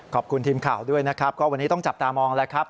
ขอบคุณทีมข่าวด้วยนะครับก็วันนี้ต้องจับตามองแล้วครับ